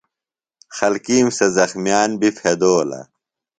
خلکِیم سےۡ زخمِیان بیۡ پھیدولہ